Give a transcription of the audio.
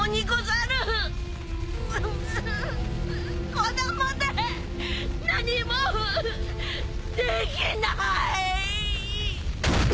子供で何もできない！